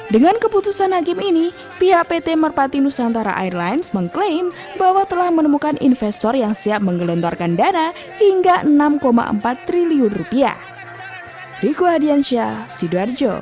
dengan keputusan hakim ini pihak pt merpati nusantara airlines mengklaim bahwa telah menemukan investor yang siap menggelontorkan dana hingga enam empat triliun rupiah